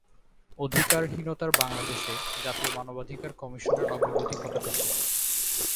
অধিকারহীনতার বাংলাদেশে জাতীয় মানবাধিকার কমিশনের অগ্রগতি কতটুকু?